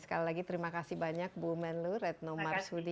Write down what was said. sekali lagi terima kasih banyak bu menlu retno marsudi